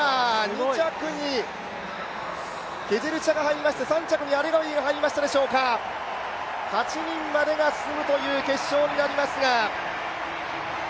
２着にケジェルチャが入りまして３着にアレガウィが入りましたでしょうか、８人までが進むという決勝になりますが。